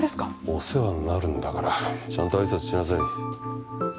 お世話になるんだからちゃんと挨拶しなさい